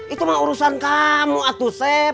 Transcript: itu mah urusan kamu atu seb